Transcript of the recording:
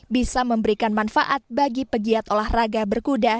bisa memberikan manfaat bagi pegiat olahraga berkuda